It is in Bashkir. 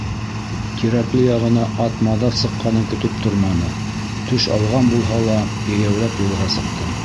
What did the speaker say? Тирәкле яғына ат- маҙар сыҡҡанын көтөп торманы, төш ауған булһа ла, йәйәүләп юлға сыҡты.